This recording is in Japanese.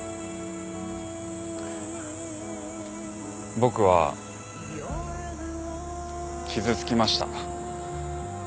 僕は傷つきました。